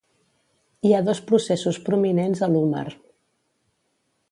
Hi ha dos processos prominents a l'húmer.